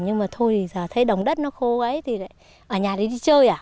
nhưng mà thôi thì giờ thấy đồng đất nó khô ấy thì lại ở nhà đi chơi à